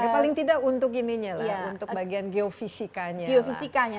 paling tidak untuk bagian geofisikanya